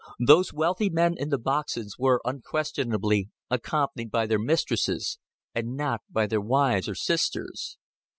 Those wealthy men in the boxes were unquestionably accompanied by their mistresses and not by their wives or sisters.